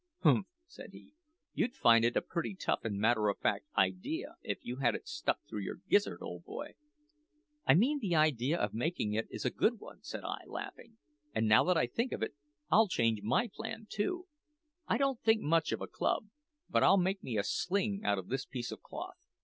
"Humph!" said he; "you'd find it a pretty tough and matter of fact idea if you had it stuck through your gizzard, old boy!" "I mean the idea of making it is a good one," said I, laughing. "And, now I think of it, I'll change my plan too. I don't think much of a club, so I'll make me a sling out of this piece of cloth.